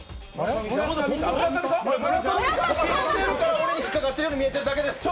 俺は引っかかっているように見えるだけです！